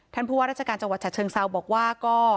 ท่านผู้ว่าราชการจังหวัดฉะเชิงเซาบอกว่าก็